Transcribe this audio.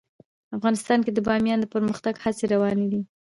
افغانستان کې د بامیان د پرمختګ هڅې روانې دي.